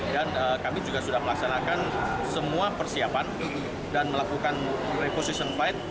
dan kami juga sudah melaksanakan semua persiapan dan melakukan reposition flight